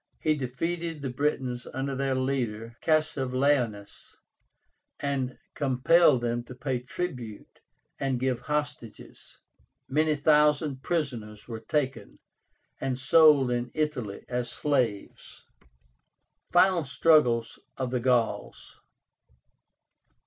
He defeated the Britons under their leader CASSIVELAUNUS, and compelled them to pay tribute and give hostages. Many thousand prisoners were taken, and sold in Italy as slaves. FINAL STRUGGLES OF THE GAULS.